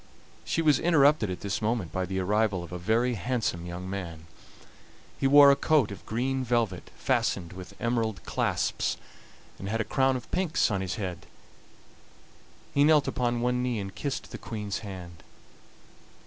She was interrupted at this moment by the arrival of a very handsome young man. He wore a coat of green velvet fastened with emerald clasps, and had a crown of pinks on his head. He knelt upon one knee and kissed the Queen's hand.